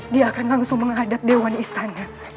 dia akan langsung menghadap dewan istana